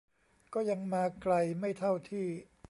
ก็ยังมาไกลไม่เท่าที่